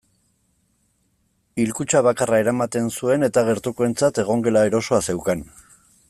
Hilkutxa bakarra eramaten zuen eta gertukoentzat egongela erosoa zeukan.